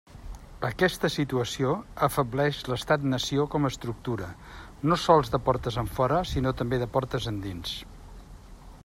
Aquesta situació afebleix l'estat nació com a estructura, no sols de portes enfora sinó també de portes endins.